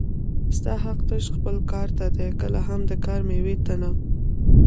ستا حق تش خپل کار ته دی کله هم د کار مېوې ته نه